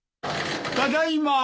ただいま。